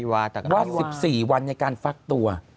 รอด๑๔วันในการฟักตัว